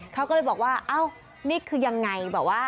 เขาก็เลยบอกว่านี่คือยังไง